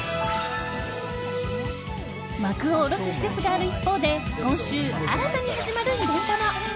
幕を下ろす施設がある一方で今週、新たに始まるイベントも。